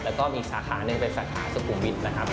แล้วก็มีสาขาหนึ่งเป็นสาขาสุขุมวิทย์นะครับ